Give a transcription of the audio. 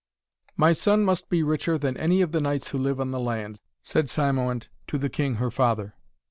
'My son must be richer than any of the knights who live on the land,' said Cymoënt to the king her father.